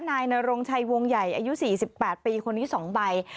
นายนรงชัยวงใหญ่อายุ๔๘ปีคนนี้๒ใบ